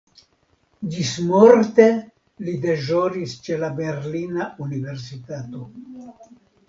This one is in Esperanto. Ĝismorte li deĵoris ĉe la berlina universitato.